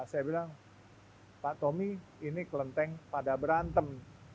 saya bilang pak tommy ini kelenteng pada berantem